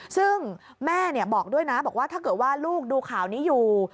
ซึ่งแม่บอกด้วยนะบอกว่าถ้าเกิดว่าลูกดูข่าวนี้อยู่